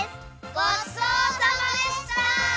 ごちそうさまでした！